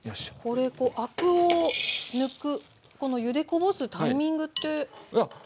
これこうアクを抜くこのゆでこぼすタイミングってどのくらい？